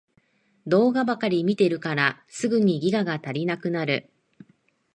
動画ばかり見てるからすぐにギガが足りなくなる